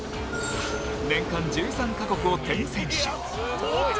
年間１３か国を転戦し。